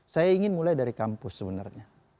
saya ingin mulai dari kampus sebenarnya